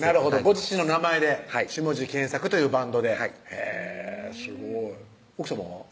ご自身の名前で下地健作というバンドでへぇすごい奥さまは？